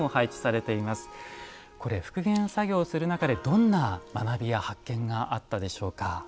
これ復元作業をする中でどんな学びや発見があったでしょうか？